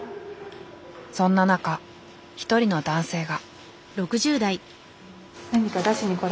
そんな中一人の男性が。